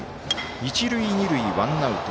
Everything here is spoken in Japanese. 一塁二塁、ワンアウト。